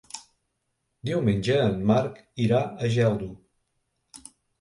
Diumenge en Marc irà a Geldo.